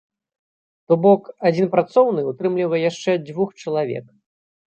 То бок, адзін працоўны ўтрымлівае яшчэ двух чалавек.